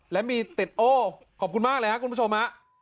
และมีติดโอ้ขอบคุณมากเลยครับคุณผู้ชมฮะ